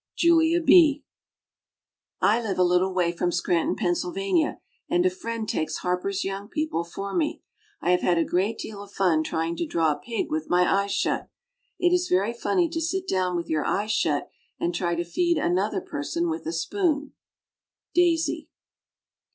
JULIA B. I live a little way from Scranton, Pennsylvania, and a friend takes Harper's Young People for me. I have had a great deal of fun trying to draw a pig with my eyes shut. It is very funny to sit down with your eyes shut and try to feed another person with a spoon. DAISY.